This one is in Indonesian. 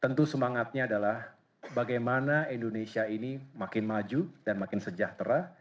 tentu semangatnya adalah bagaimana indonesia ini makin maju dan makin sejahtera